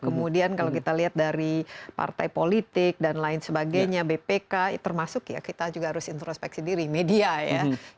kemudian kalau kita lihat dari partai politik dan lain sebagainya bpk termasuk ya kita juga harus introspeksi diri media ya